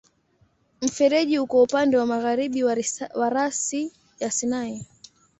Mfereji uko upande wa magharibi wa rasi ya Sinai.